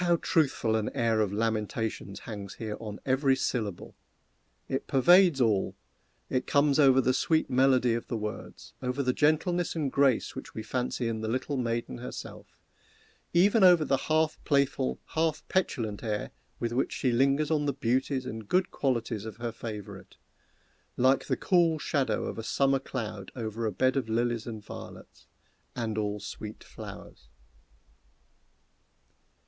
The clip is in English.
How truthful an air of lamentations hangs here upon every syllable! It pervades all. It comes over the sweet melody of the words over the gentleness and grace which we fancy in the little maiden herself even over the half playful, half petulant air with which she lingers on the beauties and good qualities of her favorite like the cool shadow of a summer cloud over a bed of lilies and violets, "and all sweet flowers."